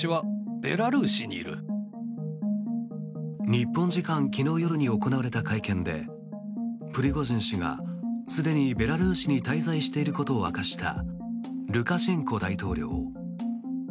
日本時間昨日夜に行われた会見でプリゴジン氏がすでにベラルーシに滞在していることを明かしたルカシェンコ大統領。